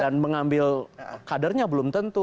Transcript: dan mengambil kadernya belum tentu